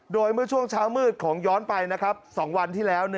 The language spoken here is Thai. โดยเมื่อช่วงเช้ามืดของย้อนไปนะครับ๒วันที่แล้ว